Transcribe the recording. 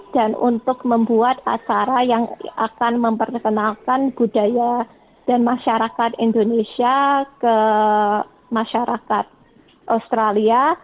dan untuk membuat acara yang akan memperkenalkan budaya dan masyarakat indonesia ke masyarakat australia